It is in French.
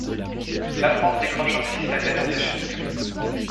La France décroche ainsi sa Danone Nations Cup.